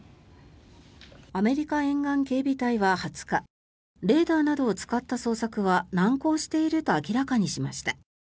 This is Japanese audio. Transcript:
アメリカ沿岸警備隊は２０日レーダーなどを使った捜索は難航していると明らかにしました。